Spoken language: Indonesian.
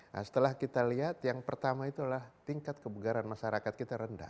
nah setelah kita lihat yang pertama itu adalah tingkat kebugaran masyarakat kita rendah